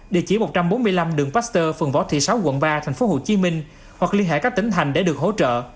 địa chỉ một trăm bốn mươi năm đường pasteur phường võ thị sáu quận ba tp hcm hoặc liên hệ các tỉnh thành để được hỗ trợ